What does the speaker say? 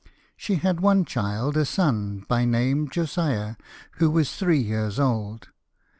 She had one child, a son, by name Josiah, who was three years old.